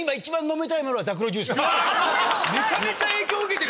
めちゃめちゃ影響受けてる。